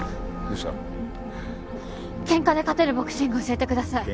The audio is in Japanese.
喧嘩で勝てるボクシング教えてください。